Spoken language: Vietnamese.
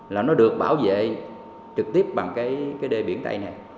là nó được bảo vệ trực tiếp bằng cái đê biển tây này